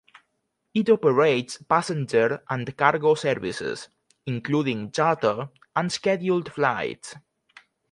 It operates passenger and cargo services, including charter and scheduled flights.